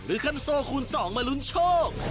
หรือคันโซ่คุณสองมาลุนโชค